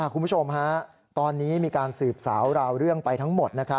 คุณผู้ชมตอนนี้มีการสืบสาวราวเรื่องไปทั้งหมด